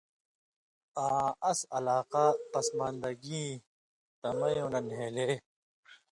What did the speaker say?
آں اس علاقہ پسماندگیں تمیؤں نہ نھیلے